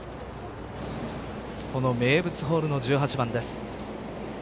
この名物ホールの１８番です。